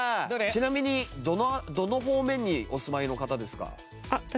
ちなみにどの方面にお住まいの方ですか？